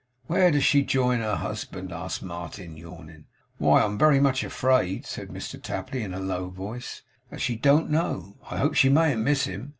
'Where does she join her husband?' asked Martin, yawning. 'Why, I'm very much afraid,' said Mr Tapley, in a low voice, 'that she don't know. I hope she mayn't miss him.